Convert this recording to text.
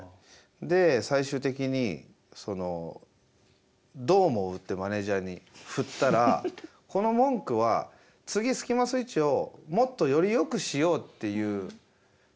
で最終的にその「どう思う？」ってマネージャーに振ったら「この文句は次スキマスイッチをもっとよりよくしようっていうことしか話してないよ」